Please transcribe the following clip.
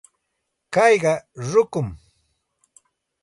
Kayqa rukum.